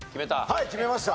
はい決めました。